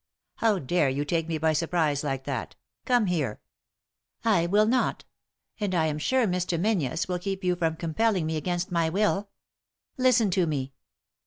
How dare you take me by surprise like that J Come here 1 "" I will not ; and I am sure Mr. Menzies will keep yon from compelling me against my will. Listen to me."